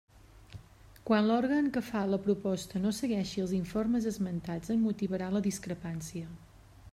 Quan l'òrgan que fa la proposta no segueixi els informes esmentats en motivarà la discrepància.